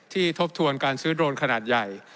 ทบทวนการซื้อโดรนขนาดใหญ่